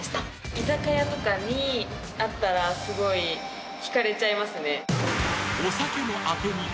「居酒屋とかにあったらすごい引かれちゃいますね」